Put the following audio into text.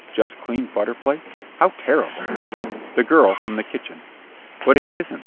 Just clean butter plates? How terrible! THE GIRL FROM THE KITCHEN But it isn't.